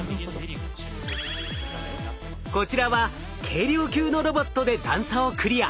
こちらは軽量級のロボットで段差をクリア。